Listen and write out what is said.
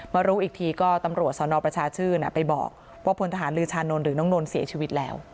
รู้อีกทีก็ตำรวจสนประชาชื่นไปบอกว่าพลทหารลือชานนท์หรือน้องนนท์เสียชีวิตแล้ว